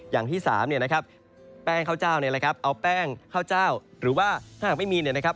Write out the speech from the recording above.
อย่างที่สามเนี่ยนะครับแป้งข้าวเจ้าเนี่ยนะครับเอาแป้งข้าวเจ้าหรือว่าถ้าหากไม่มีเนี่ยนะครับ